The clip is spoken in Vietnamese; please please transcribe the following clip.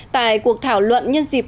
tại cuộc thảo luận nhân dịp